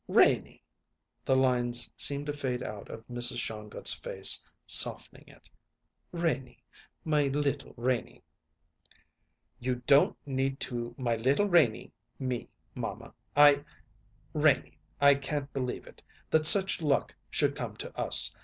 "Renie!" The lines seemed to fade out of Mrs. Shongut's face, softening it. "Renie! My little Renie!" "You don't need to my little Renie me, mamma; I " "Renie, I can't believe it that such luck should come to us.